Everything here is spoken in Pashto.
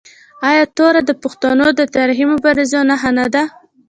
آیا توره د پښتنو د تاریخي مبارزو نښه نه ده؟